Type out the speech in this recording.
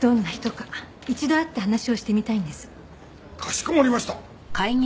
かしこまりました。